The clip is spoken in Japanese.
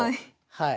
はい。